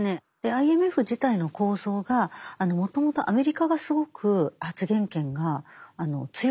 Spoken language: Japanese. ＩＭＦ自体の構造がもともとアメリカがすごく発言権が強いところなんです。